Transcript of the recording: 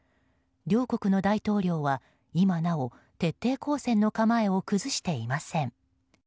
両国の大統領は今なお徹底抗戦の構えを崩していません。